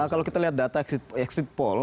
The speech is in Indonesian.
kalau kita lihat data exit poll